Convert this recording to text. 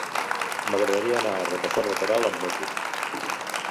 M'agradaria anar a Rocafort de Queralt amb moto.